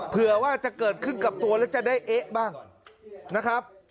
เผื่อว่าจะเกิดขึ้นกับตัวแล้วจะได้เอ๊ะบ้างนะครับ